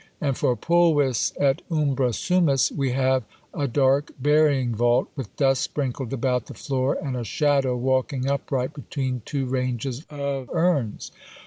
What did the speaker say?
And for "PULVIS ET UMBRA SUMUS," we have a dark burying vault, with dust sprinkled about the floor, and a shadow walking upright between two ranges of urns.